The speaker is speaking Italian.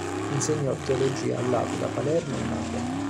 Insegnò teologia a L'Aquila, Palermo e Napoli.